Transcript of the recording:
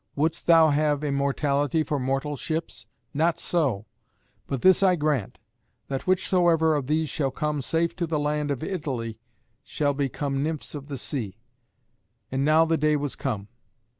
Wouldst thou have immortality for mortal ships? Not so. But this I grant: that whichsoever of these shall come safe to the land of Italy shall become Nymphs of the sea." And now the day was come.